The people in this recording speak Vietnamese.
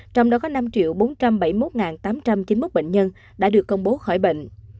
trong đó có năm bốn trăm bảy mươi một tám trăm chín mươi một bệnh nhân đã được công bố khỏi bệnh